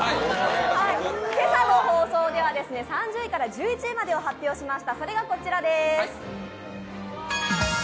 今朝の放送では３０位から１１位までを発表しました。